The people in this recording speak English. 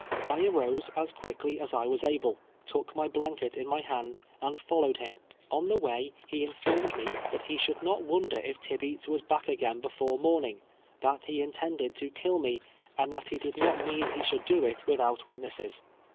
I arose as quickly as I was able, took my blanket in my hand, and followed him. On the way he in formed me that he should not wonder if Tibeats was back again before morning — that he intended to kill me — and that he did not mean he should do it with out witnesses.